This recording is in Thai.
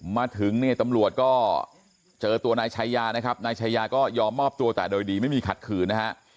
มาถึงนี่ตำรวจก็เจอตัวนายชายายอมอบตัวแต่โดยดีไม่มีขัดขื่นนะฮะ